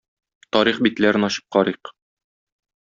Тарих битләрен ачып карыйк.